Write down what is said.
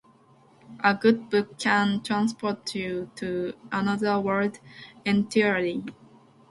A good book can transport you to another world entirely.